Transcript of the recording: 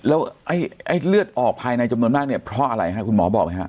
แล้วไอ้เลือดออกภายในจำนวนมากเนี่ยเพราะอะไรฮะคุณหมอบอกไหมฮะ